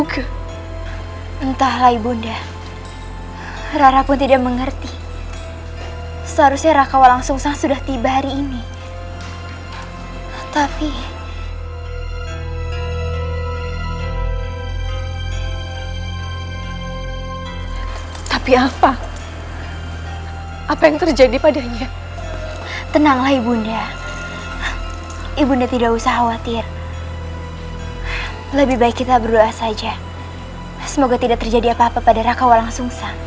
kalo kau ikut sama berarti kau melatangku